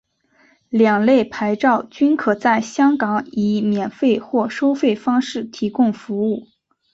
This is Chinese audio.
两类牌照均可在香港以免费或收费方式提供服务。